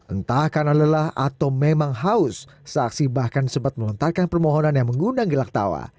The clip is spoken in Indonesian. entah karena lelah atau memang haus saksi bahkan sempat melontarkan permohonan yang mengundang gelak tawa